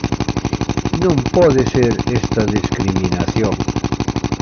Non pode ser esta discriminación.